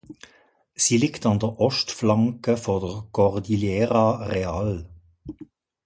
Sie liegt an der Ostflanke der Cordillera Real.